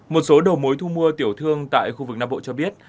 một số đầu mối thu mua tiểu thương tại khu vực nam bộ cho biết